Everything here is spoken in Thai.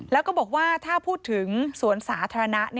แล้วก็บอกว่าถ้าพูดถึงสวนสาธารณะ